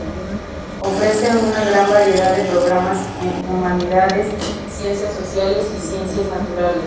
Ofrece una gran variedad de programas en humanidades, ciencias sociales y ciencias naturales.